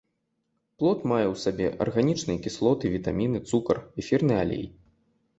Плод мае ў сабе арганічныя кіслоты, вітаміны, цукар, эфірны алей.